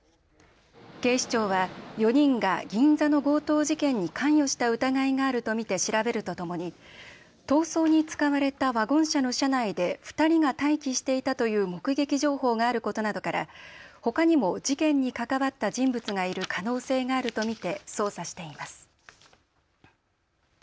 警視庁は４人が銀座の強盗事件に関与した疑いがあると見て調べるとともに逃走に使われたワゴン車の車内で２人が待機していたという目撃情報があることなどからほかにも事件に関わった人物がいる可能性があると見て捜査しています。